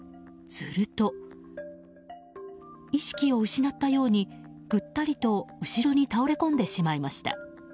すると、意識を失ったようにぐったりと後ろに倒れこんでしまいました。